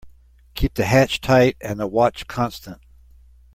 Keep the hatch tight and the watch constant.